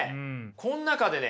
この中でね